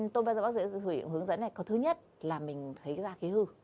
thứ nhất là mình thấy ra khí hư